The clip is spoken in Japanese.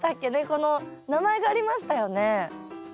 この名前がありましたよね。